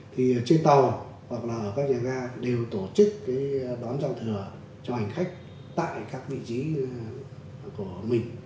thì trên tàu hoặc là các nhà ga đều tổ chức cái đón giao thừa cho hành khách tại các vị trí của mình